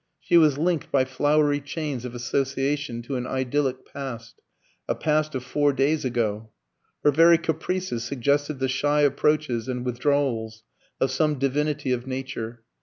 She was linked by flowery chains of association to an idyllic past a past of four days ago. Her very caprices suggested the shy approaches and withdrawals of some divinity of nature.